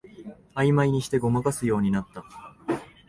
あいまいにしてごまかすようになった